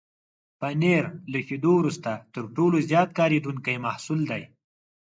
پنېر له شيدو وروسته تر ټولو زیات کارېدونکی محصول دی.